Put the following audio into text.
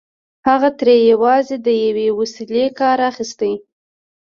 هغه ترې یوازې د یوې وسيلې کار اخيست